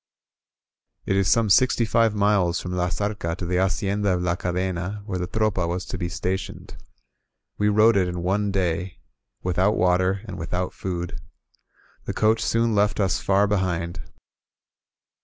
.•." It is some sixty^five miles from La Zarca to the Hacienda of La Cadena, where the Tropa was to be stationed. We rode it in one day, without water and without food. The coach soon left us far behind.